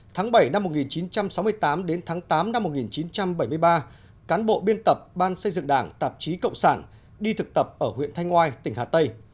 tháng bảy năm một nghìn chín trăm sáu mươi tám đến tháng tám năm một nghìn chín trăm bảy mươi ba cán bộ biên tập ban xây dựng đảng tạp chí cộng sản đi thực tập ở huyện thanh ngoai tỉnh hà tây